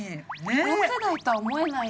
同世代とは思えない。